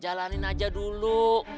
jalanin aja dulu